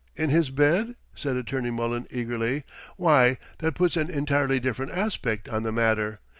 In his bed?" said Attorney Mullen eagerly. "Why, that puts an entirely different aspect on the matter!